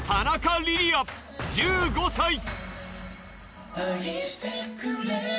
杏１５歳。